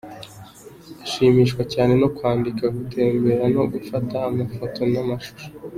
Ashimishwa cyane no kwandika, gutembera no gufata amafoto n’amashusho.